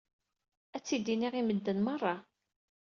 Ad tt-id-iniɣ i medden meṛṛa.